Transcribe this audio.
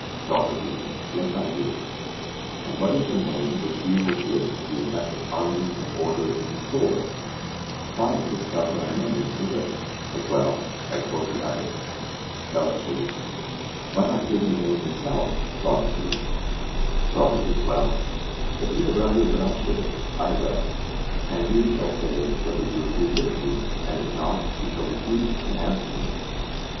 SOCRATES: Yes, I do; and what is the name which you would give to the effect of harmony and order in the soul? Try and discover a name for this as well as for the other. CALLICLES: Why not give the name yourself, Socrates? SOCRATES: Well, if you had rather that I should, I will; and you shall say whether you agree with me, and if not, you shall refute and answer me.